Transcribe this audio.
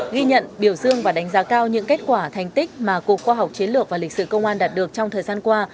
ghi nhận biểu dương và đánh giá cao những kết quả thành tích mà cục khoa học chiến lược và lịch sử công an đạt được trong thời gian qua